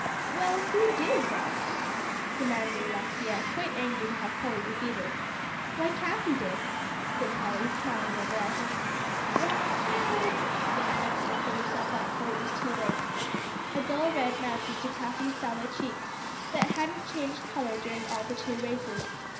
"Well, who did, then?" demanded Alexia, quite angry to have Polly defeated. "Why, Cathie did," said Polly, smiling over at her. "What, that old " then Alexia pulled herself up; but it was too late. A dull red mounted to Cathie's sallow cheek, that hadn't changed color during all the two races.